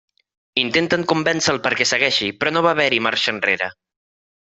Intenten convèncer-lo perquè segueixi, però no va haver-hi marxa enrere.